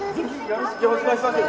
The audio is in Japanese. よろしくお願いします。